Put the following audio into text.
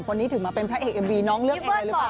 คนนี้ถึงมาเป็นพระเอกเอ็มวีน้องเลือกเองอะไรหรือเปล่า